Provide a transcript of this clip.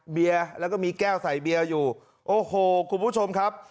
เบียร์แล้วก็มีแก้วใส่เบียร์อยู่โอ้โหคุณผู้ชมครับ